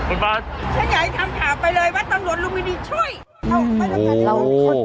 คุณมาฉันอยากให้ทำข่าวไปเลยว่าตำรวจลุมินีช่วย